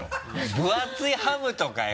分厚いハムとかよ